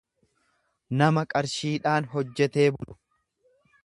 nama qarshiidhaan hojjetee bulu.